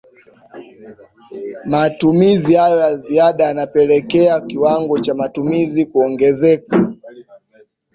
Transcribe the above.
matumizi hayo ya ziada yanapelekea kiwango cha matumizi kuongezea